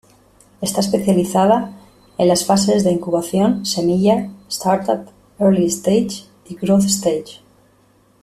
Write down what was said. Está especializada en las fases de incubación, semilla, startup, early stage y growth stage.